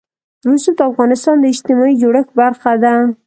رسوب د افغانستان د اجتماعي جوړښت برخه ده.